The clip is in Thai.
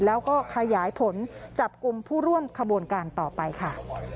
แล้วก็ขยายผลจับกลุ่มผู้ร่วมขบวนการต่อไปค่ะ